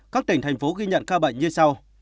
các tỉnh thành phố ghi nhận ca bệnh như sau